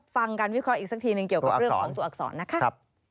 ฟังการวิเคราะห์อีกสักทีหนึ่งเกี่ยวกับเรื่องของตัวอักษรนะคะ